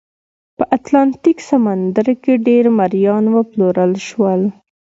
په اتلانتیک سمندر کې ډېر مریان وپلورل شول.